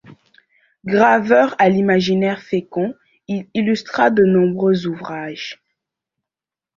Graveur à l'imaginaire fécond, il illustra de nombreux ouvrages.